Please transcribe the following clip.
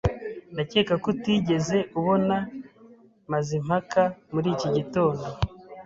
Ndakeka ko utigeze ubona Mazimpaka muri iki gitondo.